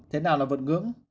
thế nào là vượt ngưỡng